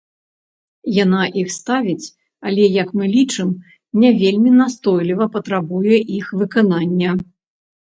Яна іх ставіць, але, як мы лічым, не вельмі настойліва патрабуе іх выканання.